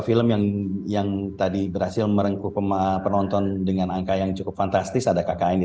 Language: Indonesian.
film yang tadi berhasil merengkuh penonton dengan angka yang cukup fantastis ada kkn